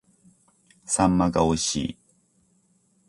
秋刀魚が美味しい